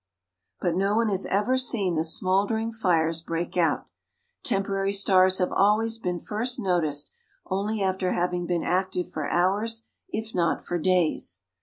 But no one has ever seen the smouldering fires break out. Temporary stars have always been first noticed only after having been active for hours if not for days.